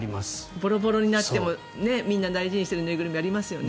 ボロボロにしても大事にしている縫いぐるみみんなありますよね。